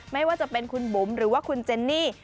ไม่ว่าจะเป็นคุณบุ๋มหรือว่าคุณเจนนี่